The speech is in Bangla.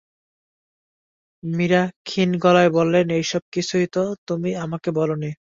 মীরা ক্ষীণ গলায় বললেন, এইসব কিছুই তো তুমি আমাকে বল নি।